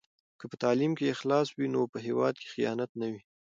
که په تعلیم کې اخلاص وي نو په هېواد کې خیانت نه وي.